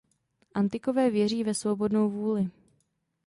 Antikové věří ve svobodnou vůli.